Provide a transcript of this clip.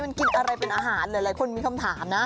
มันกินอะไรเป็นอาหารหลายคนมีคำถามนะ